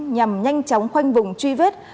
nhằm nhanh chóng khoanh vùng truy vết